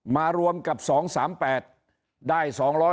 มารวมกับ๒๓๘ได้๒๕๐